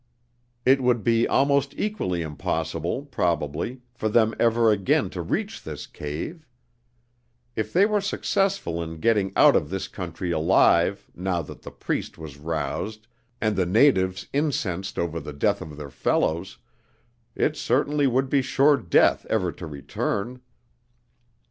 It would be almost equally impossible, probably, for them ever again to reach this cave. If they were successful in getting out of this country alive now that the Priest was roused and the natives incensed over the death of their fellows, it certainly would be sure death ever to return.